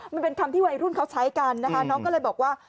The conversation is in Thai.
มันเป็นคำที่วัยรุ่นเขาใช้กันนะคะน้องก็เลยบอกว่า